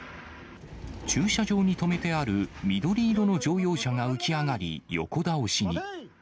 駐車場に止めてある緑色の乗用車が浮き上がり、横倒しに。